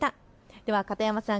では片山さん